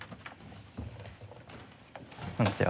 こんにちは。